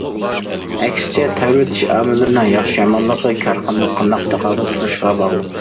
ئەكسىچە، تەۋرىتىش ئامىللىرىنىڭ ياخشى يامانلىقى كارخانىنىڭ قانداق تاقابىل تۇرۇشىغا باغلىق.